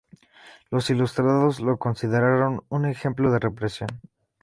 Los "ilustrados" lo consideraron un ejemplo de represión.